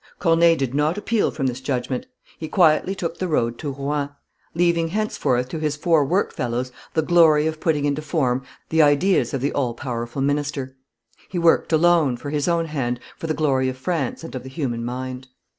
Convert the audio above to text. Corneille did not appeal from this judgment; he quietly took the road to Rouen, leaving henceforth to his four work fellows the glory of putting into form the ideas of the all powerful minister; he worked alone, for his own hand, for the glory of France and of the human mind.